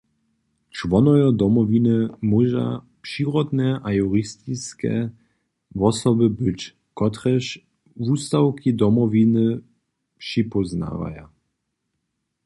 Čłonojo Domowiny móža přirodne a juristiske wosoby być, kotrež wustawki Domowiny připóznawaja.